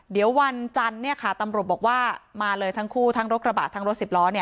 เดี๋ยววันจันทร์ตำรวจบอกว่ามาเลยทั้งคู่ทั้งรถกระบะทั้งรถสิบล้อ